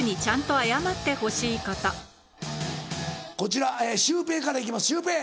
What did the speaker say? こちらシュウペイから行きますシュウペイ。